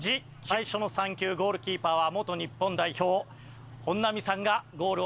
最初の３球ゴールキーパーは元日本代表本並さんがゴールを守ります。